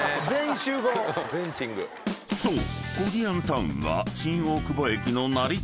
［そう］